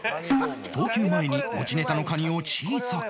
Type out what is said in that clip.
投球前に持ちネタのカニを小さく